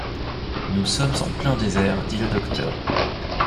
Nous sommes en plein désert, dit le docteur.